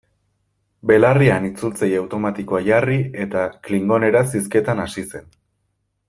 Belarrian itzultzaile automatikoa jarri eta klingoneraz hizketan hasi zen.